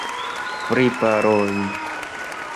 priparoli